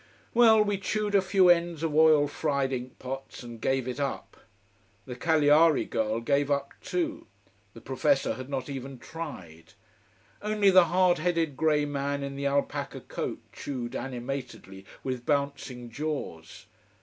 Well, we chewed a few ends of oil fried ink pots, and gave it up. The Cagliari girl gave up too: the professor had not even tried. Only the hard headed grey man in the alpaca coat chewed animatedly, with bouncing jaws.